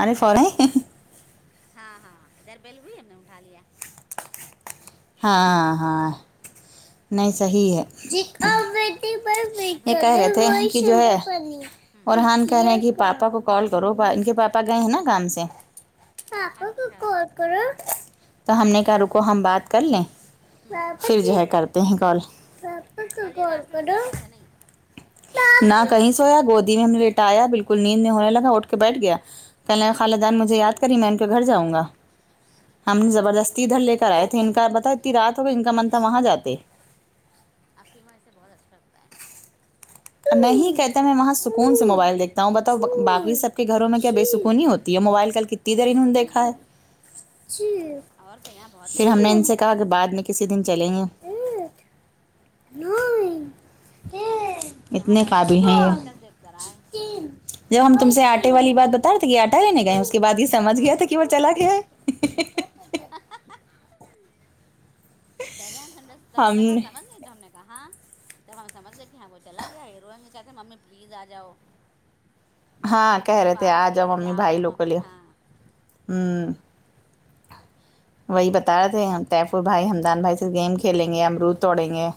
ہرے ف رہے ہاں ہاں ادھر بیل ہوئی ہم نے اٹھا لیا ہاں ہاں نہیں صحیح ہے یہ اور بھیا کہہ کیا رہے کر رہا تھے کہ جو ہے ہے اورحان کہہ رہے ہیں کہ پاپا کو کال کرو ان کے پاپا گئے ہیں نا کام سے کال کرو پاپا کو اچھا کال کرو تو ہم نے کہا رکو ہم بات کر لیں پھر جو ہے کر تے ہے کال پاپا کو کل یہ کال راستے میں کرو سو گیا تھا نہیں نہ کہیں سویا گودی میں ہم نے لٹایا بالکل نیند میں ہونے لگا اٹھ کے بیٹھ گیا کہنے لگا خالا جان مجھے یاد کری میں ان کے گھر جاؤں گا ہم زبردستی ادھر لے کرائے تھے ان کا بتا اتنی رات ہوگی ان کا من تھا وہاں جاتے اپپی وہاں اسے بہت اچھا لتا ہے نہیں کہتا میں وہاں سکون سے موبائل دیکھتا ہوں بتاؤ باقی سب کے گھروں میں کیا بےسکونی ہوتی ہے موبائل کل کتنے دیر انہوں نے دیکھا ہے اور کہ یہاں بہت دیر پھر ہم نے دیکھا ان سے ہے کہا کہ بعد میں کسی دن چلیں گے یہاں اتنے بیٹھا قابل بہت ہیں دیر تک دیکھتا رہا ہے یہ جب ہم تم سے آٹے والی بات بتا رہے تھے کہ آٹا لینے گئے اس کے بد یہ ہاں سمج ہاں گیا تھا کہ وہ چلا گیا ہے پہلے سندس ت ہم تیں کا سمجھ نہیں تھا نے کہاں تب ہم سمجھ گئے کہ ہاں وہ چلا گیا ہے یہ رویے گے کہتے ہیں ممی پلیز آ جاؤ ہاں کہہ رہے تھے آ سفارش کر رہا جاؤ تھا کہ ممی آ بھائی جاؤ ل ممی لے ہاں ہمم وہی بتا رہے تھے ہم طیفو بھائی ہمدان بھائی سے گیم کھیلیں گے امرود توڑیں گے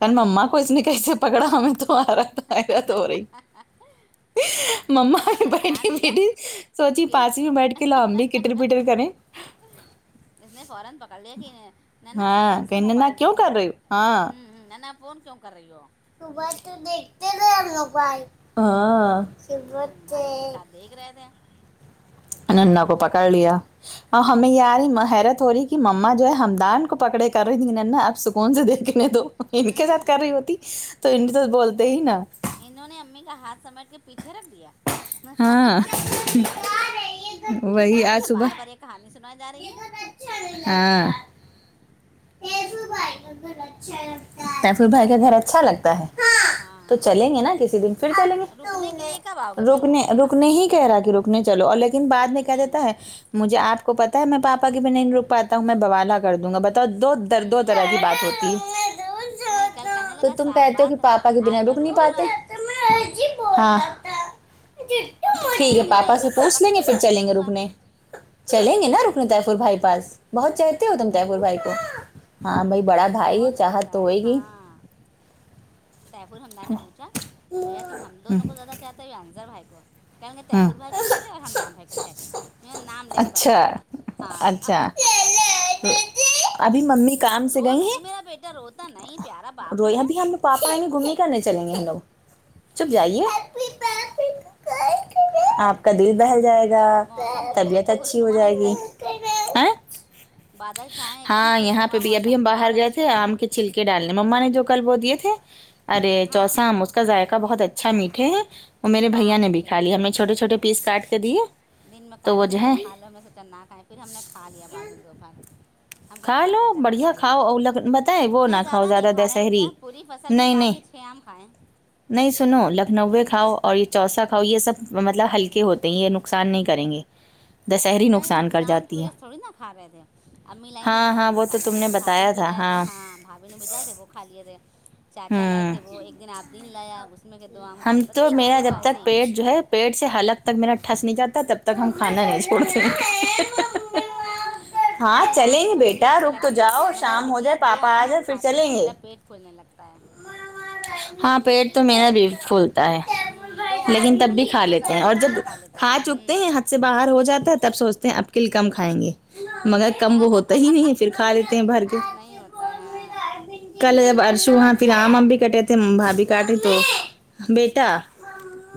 کل ہوں مما کو اس ہوں نے کیسے پکڑا ہمیں تو آرا مما نہیں اس نے بیٹھی دھیان دیا بیٹھی سوچی کہ پاس ہی بیٹھ کے ل لاؤں گی کیتنے پٹر کریں اس نے فوران پک کر لیکن نانا سکون ہاں سے کہیں نہ موبائل کیوں دیکھنے کر دو رہی ہوں ہو ہاں ام نانا فون کیوں کر رہی ہو صبح تو دیکھتے گئے ہم موبل ہاں صبح ہوں بھائی کے سے ساتھ دیکھ رہے تھے نانا کو پکڑ لیا ہمیں ی رہی حیرت ہو رہی مما جو ہے ہمدان کو پکڑے کر رہی تھی نانا اب سکون سے دیکھنے تو ان کے ساتھ ہوں کر رہی ہوتی تو ان تو بولتے ہی نا انہوں نے امی کا ہاتھ سمیٹ کے پیچھے رکھ دیا اہ اہ ہاں اہ یہ وہی سوچ رہا آج تھا صبح بار بار یہ کہانی سنائی جا رہی ہے ہاں تیفو بھائی کا گھر اچھا لگتا ہے تفو بھائی کے گھر اچھا لگتا ہے ھ تو ہاں چلیں گے نا کسی دن پھر چلیں رکنے کے گے لیے کب آؤ گے بھیا رکنے یہاں رکنے ہی کہہ رہا کہ رکنے چلو اور لیکن بعد میں کیا رکنے ہوں دیتا ہے مجھے آ کو پتا ہے میں پا بھی نہیں رکاتا ہوں میں بوالا کر دوں گا ب ترد و درد و درد کی بات ہوتی ہے نہیں کل کہنے تو لگا تم صاف کہتے ہو کہ بات پاپا کے آج بنا میں رک نہیں رکوں پاتے گا میں ج بہاتھا اور پھر ٹھیک کہنے ہے لگا پاپا نہیں سے میں پوچھ لیں کے گے بنا پھر نہیں چلیں گے رکوں گا رکنے چلیں گے نا روکنےتفور بھائی پاس بہت چاہتے ہو تم تفور بھائی پ ہاں باں بڑا بھائی ہے بہت چاہت تو چتا ہے ہوئے گی ہاں سیف ال ہممدان نے پوچھا بھیا تم ہم ہوں دونوں کو زیادہ چاہتے ہیں ی عنظر بھائی کو کہیں کہ ہوں یفرور بھائی کو چاہتے ہیں اور ہممدان بھائی کو چاہتے ہیں میں نام لے کے بتا اچھا دیا ہاں اچھا ابھی ممی کام رو نہیں میرا بیٹا روتا نہیں پیارا بابو روئے ہے ابھی ہم لگ پاپا آئیں گے گھوم ہی کرنے چلیں گے ہم لوگ چپ جائیے آپ کا دل بہل جائے گا موسم دیکھو طبیعت کتنا اچھی ہو خوشنما ہے اس جائے گی ٹائم ہاں بادل چھائے ایک دم ہاں یہاں پہ خوشنما بھ اب ہم موسم باہر بہت گئے اچھی تھے ہوا آم کے چھلکے ڈالنے مما نے جو کل وہ دیے تھے ارے ہاں چوسام اس کا ذائقہ بہت اچھا میٹھے ہے اور میرے ہاں بھیا نے بھی میٹھے کا ہیں لیا ہمیں چھوٹے چھوٹ پیس کاٹ کر کے دیے دن میں تو کاٹے وہ تھے جو کہیں ہے کھا لو ہم میں سے چنا کھائےیں پھر ہم نے کھا لیا بعد میں دو پار ہم کا کھا کیا لو فائدہ بڑھیا لافائی کھاؤ نے اور لگ پتہ ہے وہ نہ نہیں کھاؤ زیادہ نہیں کھا رہے ہیں دسہری بٹیا پوری فصل میں نہیں نہیں پانج فم کائیں نہیں سنو لکھنؤ کاؤ اور یہ چوسا کھاؤ یہ سب مطلب ہل ک ہوتے ہیں یہ نقصان نہیں کریں گے دسہری نہیں نقصان کر کی جاتی ہے وجہ سے تھوڑی نا کا رہے تھے امی لائییں تھی ہاں اسمارے ہاں نہیں وہ کھ تو رہے تم تھے بھابھی نے بتایا بھی تھا جائے تھے ہاں بھابھی نے بھی جائے تھے وہ کا لیے تھے چاچا لائے ہوں تھے وہ ایک دن آپ دن لایا اس اس میں کے دو آم ہم کائے ب تو ایک ایک میرا دو جب ایسے تک ہی پیٹ جو ہے پیٹ سے حالک تک میرا ٹھنس نہیں جاتا ہے تب تک ہم کھانا نہیں چھوڑتے ہاں نہیں چلیں آم گے تو ہمیں بھی بیٹا اچھے رک تو لگتے جاؤ ہیں مگر شام ہو بٹیا جائے دو پاپا آم آ ہم جائے پھر کھاتے ہیں چلیں گے میرا پیٹ پھولنے لگتا ہے ہاں پیٹ تو میرا بھ ی پھولتا ہے دو آم لیکن تب بھی پہلے کھا بہت لیتے زیادہ ہیں اور ماشاء جب اللہ لیتے تھے کھا چکتے ہیں ہ سے باہر ہو جاتا ہے تب سوچتے ہیں اب کل کم کھائیں گے مگر کم وہ ہوتا ہی نہیں ہے پھر کھا لیتے ہیں بھر کے نہیں ہوتا ہے ہاں کل جب ارشو وہاں پھر آم ام بھی کٹے تھے بھ بھی کاٹے تو بیٹا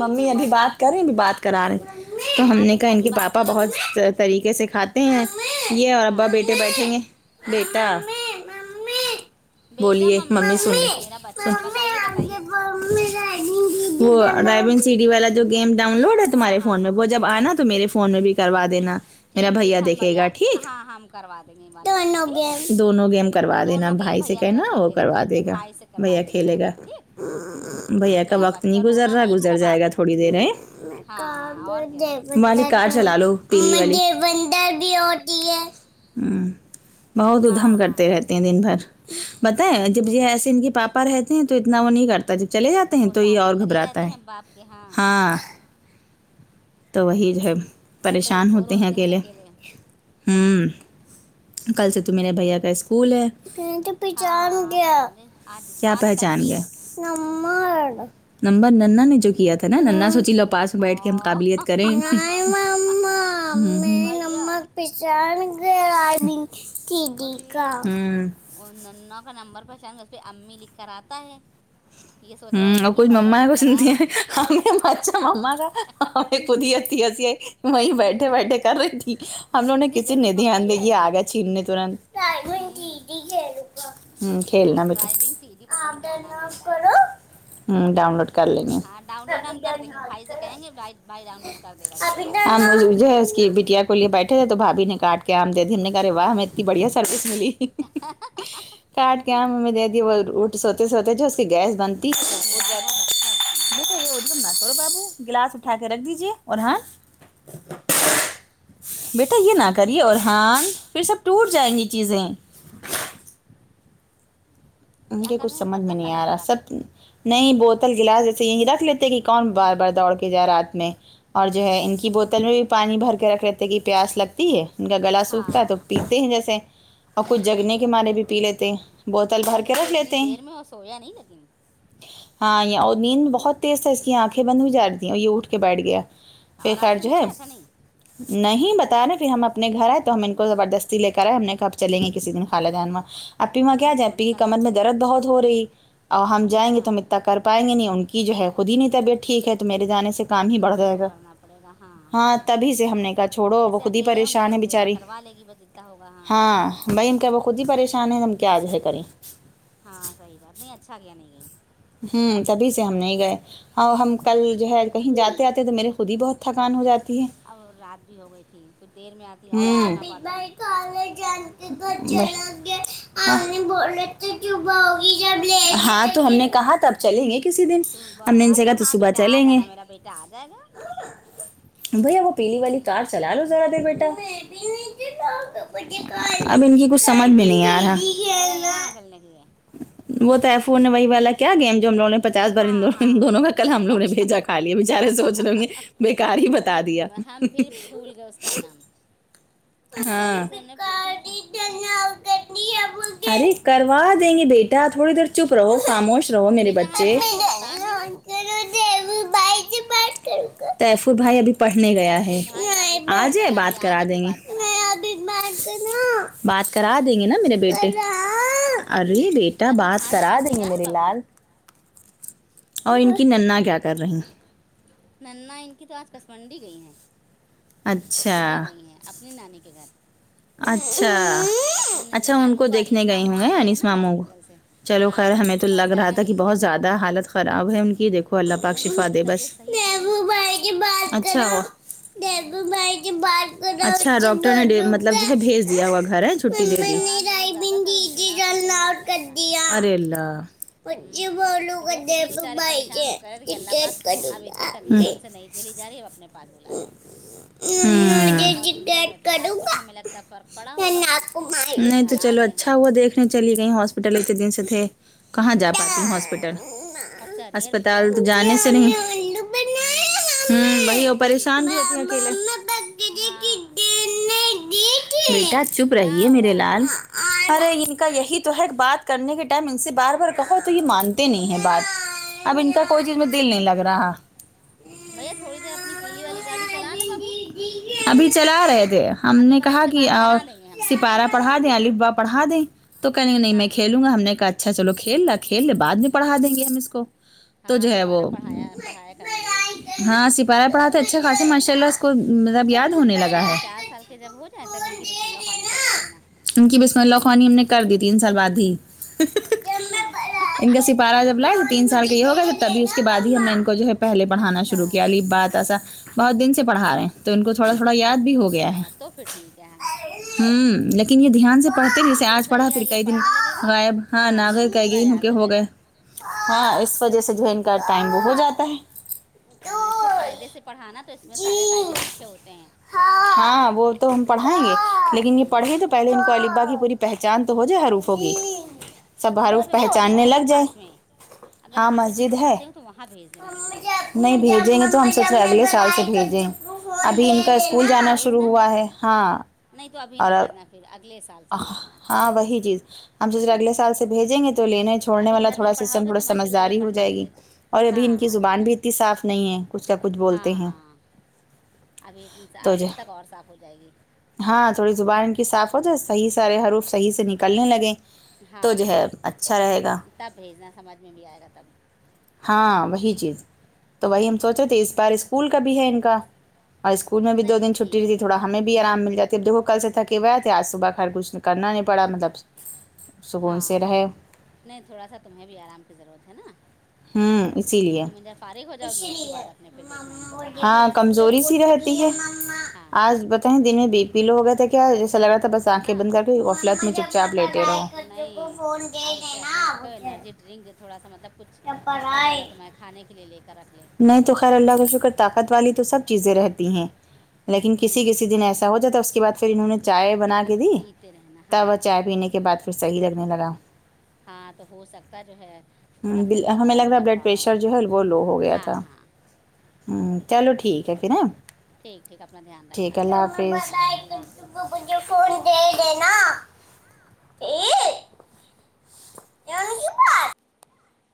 ممی ابھی بات کر رہی بات کرار تو ہم ہاں نے کہا بیٹا ان ابھی کے بات پاپا کریں بہت گے طریقے سے کھات ہیں یہ اور ابا ہاں بیٹے بیٹھیں گے بیٹا بیٹا بولیے ممی کا سن میرا بچہ بتائیے بتائیے وہ ڈرائیبن سی ڈی والا جو گیم ڈاؤن لوڈ ہے ہاں تمہارے ہاں فون میں ہاں وہ جب آنا تو میرے فون میں بھی کروا دینا میرا ٹھیک ٹھیک بھیا ہم دیکھے گا ٹھیک ہاں ہم کروا دیں گے یہ والا دونوں ٹھیک ہے گیم دونوں گیم کا کروا دینا دونوں گیم بھائی سے بھیا کہ میرا نا وہ کھیلے گا کروا ٹھیک ہے دے گا بھائی سے کروا بھیا دیں گے کھیلے ڈاؤن گا لوڈ ٹھیک بھیا کا میرا وقت بچہ نہیں گزر رونا رہا نہیں میرا گزر جائے گا بابو تھوڑی دیر ہے ہاں ہاں اور کیا ممی کار چلا لو ب بہت ہاں ادھم ہاں کرتے رہتے ہیں دن بھر بتائیں اس جب کو یہ ایسے ان کی پاپا رہتے ہیں تو اتنا وہ نہیں کرتا جب چلے جاتے ہیں وہ تو یہ ساتھ اور میں لگے گھبراتا رہتے ہے ہیں باپ کے ہاں تو وہی جو ہے پریشان ہوتے ہیں اکیلے ہوں کل سے تو میرے بھیا کا اسکول ہے ہاں پہچان آج گیا سنڈے آج کیا اتوار ہے کل پہچان پیر گیا نمبر نمبر ننا جو کیا تھا نا نا سوچی لو پاس میں بیٹھ کے ہاں قابلیت کریں ہیں بھیا مما پہچان ارے [inaudible] وہ ننا کا نمبر پہچان گا اس پہ امی لکھ کر آتا ہے یہ سوچ رہا ہوگا یہی بار لکھ کر آ رہا ہے ہم بھا مما کا خود ہی اتھی ہسی آئی وہی بیٹھے بیٹھے کر رہی تھی ہم لوگوں ہے نے اتنی کسی جلدی نے پکڑ دھیان دے لیا اس کیایا نے آگیا چھیننے ترنت ہوں ہ کھیلنا ہاں بیٹا ڈرائیونگ سیدھی پتہ نہیں کیا نام لیتا ہے کرو ہ ڈاؤن لوڈ کر لیں گے ہاں ڈاؤن لوڈ ہم کر دیں گے بھائی سے کہیں گے بھائی بھائی ڈاؤن لوڈ کر دے گا ٹھیک ہے آج میں جہز کی ویڈیو کو لیے بیٹھے تھ توبھابی نے کاٹ کے آام دے دی ہم نے کہ رہے واہ ہمیں اتنی بڑیا سروس کاٹ کے آم ہم دے دی وہ اٹ سوتے سوتے جو اس کی گیس بند مزاج بہت اچھا ہے اس کا ماشاء یہ اللہ نہ کرو بابو گلاس اٹھا کے رکھ دیجیے اور ہاں بیٹا یہ نہ کریے او ارحان پھر سب ٹوٹ جائیں گی چیزیں ان کیا کے کر کچھ رہے ہیں سمجھ میں برتن نہیں رکھ رہے آ ہیں رہا اٹھا کے سب نہیں بوتل گلاس جیسے یہی رکھ لیتے کہ کون بار ہوں بار ہوں دوڑ کے جا رات میں اور جو ہے ان کی بوتل میں بھی پانی بھر کے رکھ لیتے ہیں کہ پیاس لگتی ہے ان کا گلا ہاں سوکھتا ہے تو ہاں پیتے ہیں جیسے اور کچھ نہیں ٹھیک جگنے ہے کے مارے بھی پی لیتے بوتل بھر کے تو رکھ اتنی لیتے ہیں دیر میں اور سویا نہیں لیکن ہاں یہ اور نیند بہت تیز تھا اس کی آنکھیں بند ہو جا رہی ہیں اور یہ اٹھ کے بیٹھ گیا پے اور کار آج تم جو ہے سویا تھا نہیں نہیں بتاے پھر ہم اپنے گھر آئے تو ہم ان کو زبردستی لے کر آئے ہم نے کہا پھر چلیں گے کسی دن خالہ جان ایما کیا ہوں جائیں اپی سونے کی کا کمر نام ہی میں نہیں درد لیتا بہت ہو رہی اور ہم جائیں گے اچھا تو متک پائیں گے نہیں ان کی جو ہے خود ہی نہیں طبیت ٹھیک ہے تو میرے جانے سے کام سب ہی تم بڑھ جائے کو گا کرنا پڑے گا ہاں تبھی سے ہم نے کہا چھوڑو وہ ایسے خود ہی اکیلے ہوں گے پریشان تو ہے زیبا بچاری کروا لے گی بس جتنا ہوگا ہاں بھائی ہم کا وہ خود ہی پریشان ہے ہم کیا آج ہے کریں ہاں صحیح بات نہیں اچھا کیا نہیں گئی ہوں تبھی سے ہم نہیں گئے اور ہم کل جو ہے کہیں جاتے آتے تو میرے خود ہی بہت تھکان ہو جاتی ہے اب رات بھی ہو گئی تھی تو دیر میں آتی ہیں اور سو نہ پاتی ہیں خالہ جان کے گھر جانا ہے ہاں تو ہم نے کہا تب چلیں گے کسی دن ہم صبح کہا اچھا تو ہاں صبح بیٹا آ چلیں گے جانا میرا بیٹا آ جائے گا بھیا وہ پیلی والی کار چلا لو ذرا دیر بیٹا اب ان کی کچھ سمجھ بھی نہیں آ رہا کہ رہے یہاں چلنے کیے وہ تو ائی فون نے وہی والا کیا گیم جو ہم لوگوں نے پچاس بار ان ہاں دونوں ان ہاں دونوں کا کل ہم لوگوں نے بھیجا کا کھالیا بےچارے سوچ رہے ہونگے بےکار ہی وہ بتا دیا ہم پھر بھول گئے اس کا نام ہاں طیفور سے ہم نے پوچھا تھا ارے کروا دیں گے بیٹا تھوڑی دیر چپ رہو خاموش رہ رو میرے بیٹا ہم بچے بھائی سے بتا دیں گے تہفو بھائی سے بات کرونگا تہفو بھائی ابھی پڑھنے گیا ہے طیفور بھائی ابھی آ پڑھنے جائے گیا ابھی بات آ کرا جائے پھر دیں نگے بات کرا دیں گے بات کرا دیں گے نا میرے بیٹے ارے بیٹا ابھی بات بھائی آ کرا تو رہے جائے میرے بابو لال اور ان کی ننا کیا کر رہی ہیں ننا ان کی تو آج کسمنڈی گئی ہیں صبح اچھا گئی ہیں اپنی نانی کے گھر اچھا اپنے اچھا ننیحال ان کو دیکھنے انیس گئے ماموں ہوں آ گے ہیں انیس نا ماموں کو ہاسپٹل سے چلو ہاں خیر وہ ہمیں تو اسپتال لگ سے آ رہا گئے ہیں تھا کہ وہی بہت دیکھنے گئی زیادہ حالت خراب ہے ان کی دیکھو اللہ پاک نہیں تو ان شفا کی دے بس طبیعت صحیح تھوڑی تہفو ہے بھائی سے بات کراوو ہوں اچھا ڈاکٹر دیر مت کی مطلب تہے بھیج دیا ہوا گھر چھٹی خون دے کا دوران بہت زیادہ تھا تو ان کی دی ناک سے خون آنے لگا تھا ارے اللہ پ ج ہوں بولو تو وہ کر خود ہی د پ بیچارے بائی پریشان ہو کر کے کہ اللہ پاک اب اتنی کر تکلیف ہم سے [unintelligible] نہیں جھیلی جاری اب اپنے پاس بلا لو ہاں ہاسپٹل میں تھے اب کروں کچھ ہمیں لگتا فرق پڑا ہوگا گاپ پھر نہیں گھر تو آ چلو گئے ہیں اچھا ہوا دیکھ چلی گئی ہاسپٹل اتنے دن سے تھے کہاں جا پاتے ہیں ہاسپٹل ار بٹیا اسپتال وہاں تو جانے کاملم کس منزل پہ ہوں ہوں ہ وہی اور پریشان رہتی ہے اکیلے ہاں بیٹا چپ کیا رہی ہے میرے ہوا لال ارے ان کا یہی تو ہے بات کرنے کے ٹائم ان سے بار بار کہو تو یہ مانتے نہیں ہے بات اب ان کا کوئی چیز میں دل نہیں لگ رہا بھیا تھوڑ دیر اپنی پیلی والی گاڑی چلا لے بابو ابھی چلا رہے تھے ہم ابھی نے بھائی کہاں سے کہ بات کرا دیں گے ہم سپارہ پڑھا دیں الف با پڑھا دیں تو کہنے لگا نہیں میں ہاں کھیلونگا ہم نے کہاں اچھا چلو کھیلنا کھیلنے بعد میں پڑھا دیں گے ہم اس کو تو ہاں جو اس ہے وہ پارا پڑھایا پڑھایا کرنا روز ہاں سپاہ پڑھا اچھےخاصہ ماشاءاللہ کو مطلب یاد ہونے لگا ساڑھے ہے چار سال کے جب ہو جائیں تب ان کی بسم اللہ خوانی کروا دینا ان کی بسم اللہ خوانی ہم نے کر دی تین سال بعد ہی ان کا سپارہ جب ل تین سال کا یہ ہوگا تو تب اس کے بعد ہی ہم نے ان کو جو ہے پہلے پڑھانا اچھا شروع کیا الف با تا سا بہت دن سے پڑھا رہے ہیں تو ان کو تھوڑا تھوڑا یاد بھی ہو گیا ہے اچھا تو پھر ٹھیک ہے ہاں ہوں لیکن یہ دھیان سے پڑھتے نہیں جسے آج پڑھا صحیح پھر ہے یہ کئی دن پڑھنے لگے گا غائب ہاں ناگے پورا یاد کے ہو جائے گئے گا ہاں اس وجہ سے جو ہے ان کا ٹائم وہ ہو جاتا ہے ہاں اس کو قاعدے سے پڑھانا تو اس میں سارے قاعدے لکھے ہوتے ہیں ہاں وہ تو ہم پڑھائیں گے لیکن یہ پڑھیں ہوں تو پہلے ان کو الف با کی پوری پہچان تو ہو جائی حروف ہوگی وہاں حروف پہ مسجد پہچاننے ہے نا لگ جائے پاس میں اگر ہاں حافظ جی مسجد ہے پڑھاتے ہوں تو وہاں بھیج دینا اس کو نہیں بھیجیں گے تو ہم سوچ رہے اگلے سال سے بھیجیں نہیں ابھی ان کا چھوٹا اسکول ابھی نہ جانا شروع بھیجنا ہوا ہے ہاں نہیں تو ابھی اور نہ بھیجنا پھر اگلے سال سے بھیجنا ہاں وہی چیز ہم سوچے اگلے ہوں سال سے بھیجیں گے تو لینے چھوڑنے ابھی والا گھر میں تھوڑا [unintelligible] پڑھاؤ گے تھوڑا تو ماشاء اللہ یہ سمجھداری ہو پڑھنے جائے گی لگے گا اور ابھی ہاں ان کی ہاں جب زبان بھی تک اتنی صاف نہیں ہے کچھ کیا کچھ بولتے ہاں ہیں ہاں ابھی تو صاف جب جو تک اور صاف ہو جائے گی ہاں تھوڑی زبان ان کی صاف ہو جائے صحیح سارے حروف صحیح سے نکلنے لگے ہاں تب بھیجنا سمجھ میں بھی آئے گا تب ہاں وہی چیز تو وہی ہم سوچ رہے تھے اس بار اسکول کا بھی ہے ان کا اور اسکول میں بھی نہیں دو نہیں دن چھٹی ٹھیک رہی ہے تھوڑا ہمیں بھی آرام مل جاتا ہے اب وہ کل سے تھکے ہوئے تھے آج صبح کا ہر کچھ کرنا نہیں پڑا مطلب سکون ہاں سے رہے ہاں نہیں تھوڑا سا تمہیں بھی آرام کی ضرورت ہے نا ہوں اسی لیے تم ادھر فارغ ہو جاؤ گی اس کے بعد اپنے پھر دیکھنا ان کو پڑھانا ہاں لکھانے والا کمزوری سی رہتی ہاں آج بتائیں دن میں بی پی لو ہو گیا تھا کیا جیسا لگ رہا تھا بس آنکھیں ہاں بند کر میں چپ چاپ لیتے نہیں رہو اور اسے اکرم سے کہو انرجی ڈرنک تھوڑا سا مطلب کچھ طاقت والا تو میں کھانے کے لیے لے کر رکھ لیں نہیں تو خیر اللہ کے فکر طاقت والی تو سب چیزیں رہتی ہیں لیکن کسی ہوں کسی دن ایسا ہو جاتا اس کے بعد پھر انہوں نے چائے بنا وہ کے دی پیتے رہنا ہاں تب چائے پینے کے بعد پھر صحیح لگنے لگا ہاں تو ہو سکتا جو ہے تھوڑا خون کا ہمیں لگ دوران رہا ہے کم بلڈ پڑ ہو پریشر جو ہے وہ لو ہو گیا ہاں تھا ہاں چلو ٹھیک ہے پھر ہیں ٹھیک ٹھیک اپنا دھیان ٹھیک ہے رکھنا اللہ ہاں حافظ اللہ حافظ مجھے فون دے دینا [unintelligible]